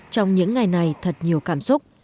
trong những ngày này thật nhiều cảm xúc